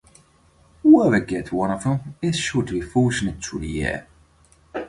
Whoever gets one of them is sure to be fortunate throughout the year.